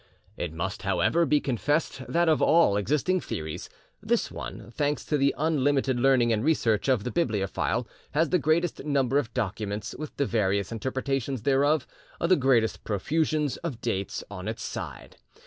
It must, however, be confessed that of all existing theories, this one, thanks to the unlimited learning and research of the bibliophile, has the greatest number of documents with the various interpretations thereof, the greatest profusion of dates, on its side.